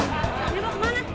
iya pak suparman